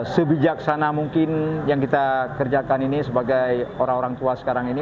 sebijaksana mungkin yang kita kerjakan ini sebagai orang orang tua sekarang ini